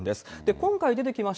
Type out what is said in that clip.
今回出てきました